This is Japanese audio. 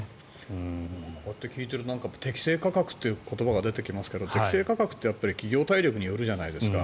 こうやって聞いていると適正価格という言葉が出てきますけど適正価格って企業体力によるじゃないですか。